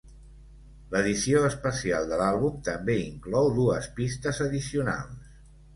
L'edició especial de l'àlbum també inclou dues pistes addicionals.